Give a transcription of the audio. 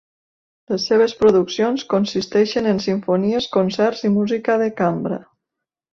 Les seves produccions consisteixen en simfonies, concerts i música de cambra.